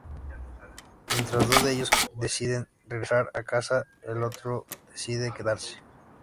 Mientras dos de ellos deciden regresar a casa, el otro decide quedarse.